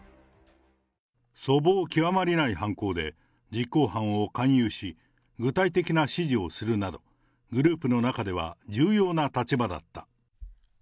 粗暴極まりない犯行で、実行犯を勧誘し、具体的な指示をするなど、グループの中では重要な立場だった。